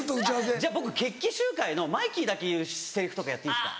じゃあ僕決起集会のマイキーだけ言うセリフとかやっていいですか？